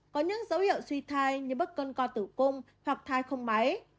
có những dấu hiệu suy thai như bớt cơn co tủ cung hoặc thai không máy